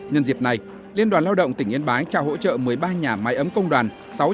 nhân dịp này liên đoàn lao động tỉnh yên bái trao hỗ trợ một mươi ba nhà máy ấm công đoàn